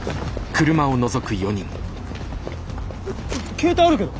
携帯あるけど。